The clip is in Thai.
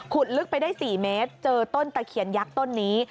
ลึกไปได้๔เมตรเจอต้นตะเคียนยักษ์ต้นนี้